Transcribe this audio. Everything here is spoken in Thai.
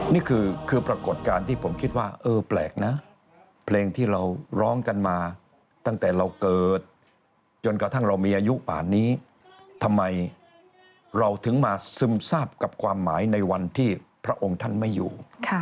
นี่คือปรากฏการณ์ที่ผมคิดว่าเออแปลกนะเพลงที่เราร้องกันมาตั้งแต่เราเกิดจนกระทั่งเรามีอายุป่านนี้ทำไมเราถึงมาซึมทราบกับความหมายในวันที่พระองค์ท่านไม่อยู่